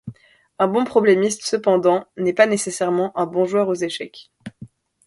Un bon problémiste, cependant, n'est pas pas nécessairement un bon joueur aux échecs.